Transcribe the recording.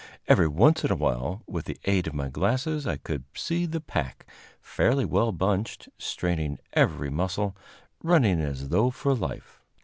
Every once in a while, with the aid of my glasses, I could see the pack, fairly well bunched, straining every muscle, running as though for life.